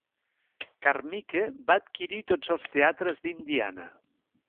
Carmike va adquirir tots els teatres d'Indiana.